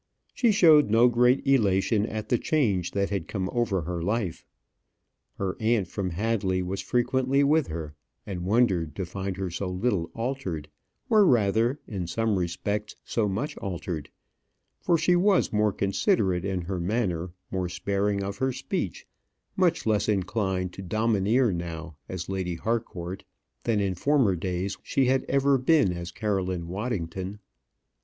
She showed no great elation at the change that had come over her life. Her aunt from Hadley was frequently with her, and wondered to find her so little altered, or rather, in some respects, so much altered; for she was more considerate in her manner, more sparing of her speech, much less inclined to domineer now, as Lady Harcourt, than in former days she had ever been as Caroline Waddington.